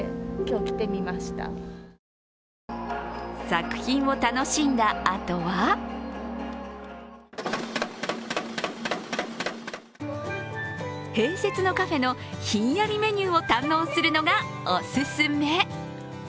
作品を楽しんだあとは併設のカフェのひんやりメニューを堪能するのがオススメ。